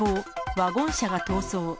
ワゴン車が逃走。